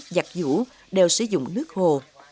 giặt vũ đều sử dụng nước hồ